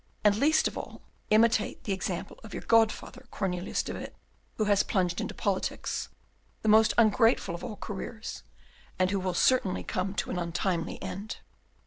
And least of all, imitate the example of your godfather, Cornelius de Witt, who has plunged into politics, the most ungrateful of all careers, and who will certainly come to an untimely end."